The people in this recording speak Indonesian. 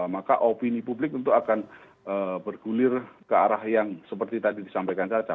maka opini publik tentu akan bergulir ke arah yang seperti tadi disampaikan caca